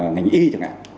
ngành y chẳng hạn